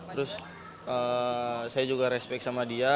terus saya juga respect sama dia